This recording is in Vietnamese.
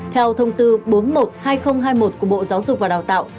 theo thông tư bốn mươi một hai nghìn hai mươi một của bộ giáo dục và đào tạo